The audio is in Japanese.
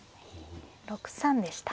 ６三でした。